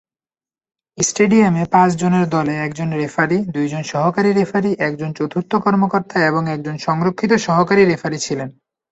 স্টেডিয়ামে পাঁচ জনের দলে একজন রেফারি, দুইজন সহকারী রেফারি, একজন চতুর্থ কর্মকর্তা এবং একজন সংরক্ষিত সহকারী রেফারি ছিলেন।